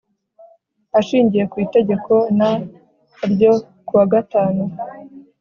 Ashingiye ku Itegeko n ryo kuwa gatanu